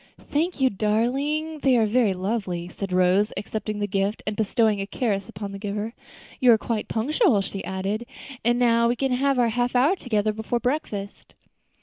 "Thank you, darling, they are very lovely," said Rose, accepting the gift and bestowing a caress upon the giver. "You are quite punctual," she added, "and now we can have our half hour together before breakfast."